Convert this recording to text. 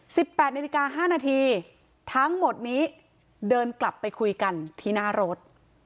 แปดนาฬิกาห้านาทีทั้งหมดนี้เดินกลับไปคุยกันที่หน้ารถ